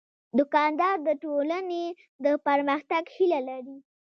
دوکاندار د ټولنې د پرمختګ هیله لري.